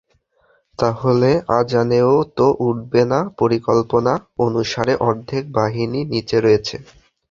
তাহলে আজানেও তো উঠবে না পরিকল্পনা অনুসারে, অর্ধেক বাহিনী নিচে রয়েছে।